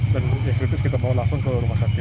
dan yang kritis kita bawa langsung ke rumah sakit